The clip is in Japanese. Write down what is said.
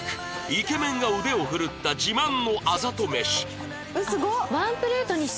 イケメンが腕を振るった自慢のあざと飯すごっ！